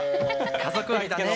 家族愛だね。